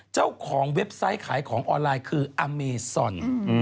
เว็บไซต์ขายของออนไลน์คืออเมซอน